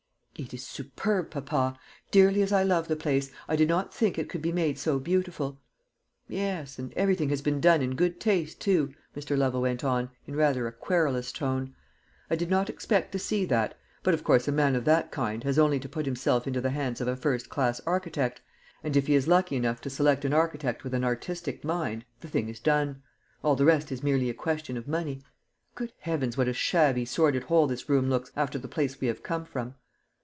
"It is superb, papa. Dearly as I love the place, I did not think it could be made so beautiful." "Yes, and everything has been done in good taste, too," Mr. Lovel went on, in rather a querulous tone. "I did not expect to see that. But of course a man of that kind has only to put himself into the hands of a first class architect, and if he is lucky enough to select an architect with an artistic mind, the thing is done. All the rest is merely a question of money. Good heavens, what a shabby sordid hole this room looks, after the place we have come from!"